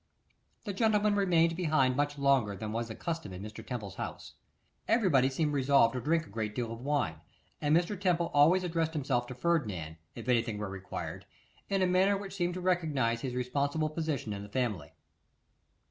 The gentlemen remained behind much longer than was the custom in Mr. Temple's house. Everybody seemed resolved to drink a great deal of wine, and Mr. Temple always addressed himself to Ferdinand, if anything were required, in a manner which seemed to recognise, his responsible position in the family.